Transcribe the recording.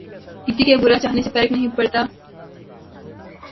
کســـی کے برا چاہنے سے فرق نہیں پڑتا